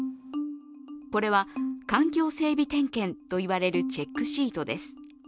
これは環境整備点検といわれるチェックシートです。